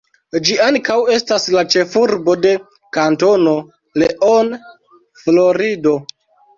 Ĝi ankaŭ estas la ĉefurbo de Kantono Leon, Florido.